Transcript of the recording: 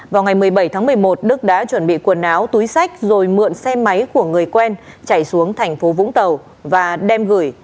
vào ngày một mươi bảy tháng một mươi một đức đã chuẩn bị quần áo túi sách rồi mượn xe máy của người quen chảy xuống thành phố vũng tàu và đem gửi